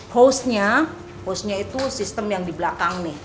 hostnya hostnya itu sistem yang di belakang nih